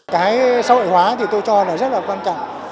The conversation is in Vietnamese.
cái xã hội hóa thì tôi cho là rất là quan trọng